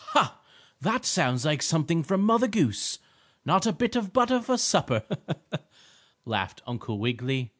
"Ha! That sounds like something from Mother Goose. Not a bit of butter for supper," laughed Uncle Wiggily.